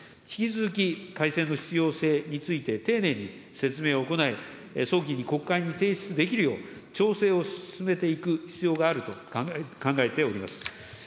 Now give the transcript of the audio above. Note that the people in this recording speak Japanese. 引き続き改正の必要性について、丁寧に説明を行い、早期に国会に提出できるよう、調整を進めていく必要があると考えております。